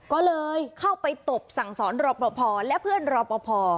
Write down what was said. ก็เลยเข้าไปตบสั่งสอนรอปภและเพื่อนรอปภ